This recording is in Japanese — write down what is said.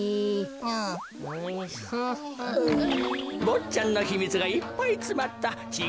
ぼっちゃんのひみつがいっぱいつまったちぃ